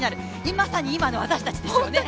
まさに今の私たちですよね。